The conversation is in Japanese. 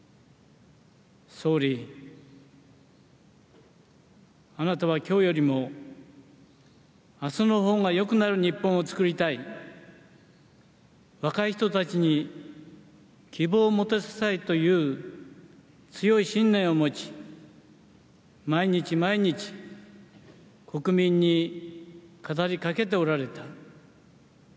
総理、あなたは今日よりも明日のほうがよくなる日本を作りたい若い人たちに希望を持たせたいという強い信念を持ち、毎日毎日国民に語りかけておられた。